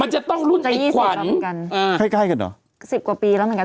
มันจะต้องรุ่นไอ้ขวัญกันอ่าใกล้ใกล้กันเหรอสิบกว่าปีแล้วเหมือนกัน